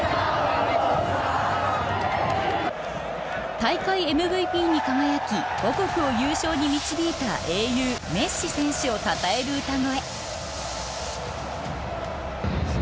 大会ＭＶＰに輝き母国を優勝に導いた英雄メッシ選手をたたえる歌声。